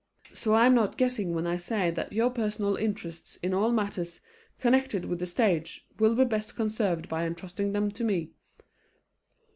So I am not guessing when I say that your personal interests in all matters connected with the stage will be best conserved by entrusting them to me.